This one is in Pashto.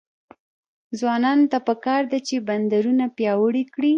ځوانانو ته پکار ده چې، بندرونه پیاوړي کړي.